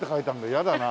嫌だな。